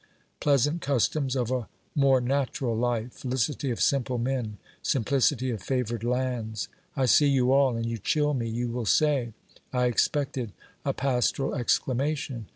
Pleasant customs of a more natural life ! Felicity of simple men, simplicity of favoured lands !... I see you all, and you chill me. You will say : I expected a pastoral exclama tion